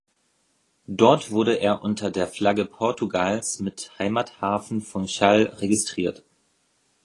Dort wurde er unter der Flagge Portugals mit Heimathafen Funchal registriert.